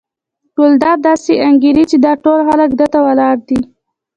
ګلداد داسې انګېري چې دا ټول خلک ده ته ولاړ دي.